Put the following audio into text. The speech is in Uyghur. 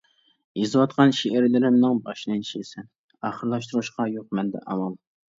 يېزىۋاتقان شېئىرلىرىمنىڭ باشلىنىشى سەن، ئاخىرلاشتۇرۇشقا يوق مەندە ئامال.